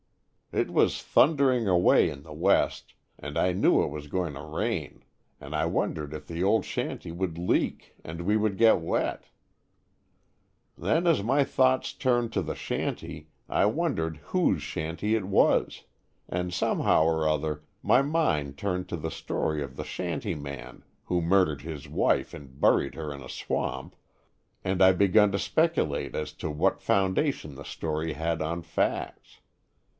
It was thundering away in the west and I knew it was going to rain, and I wondered if the old shanty would leak and we get wet. Then as my thoughts turned to the shanty I wondered whose shanty it was, and somehow or other my mind turned to the story of the shanty man who murdered his wife and buried her in a swamp, and I begun to speculate as to what foundation the story had on facts.